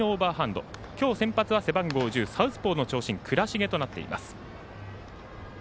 今日、先発は背番号１０サウスポーの長身倉重となっています。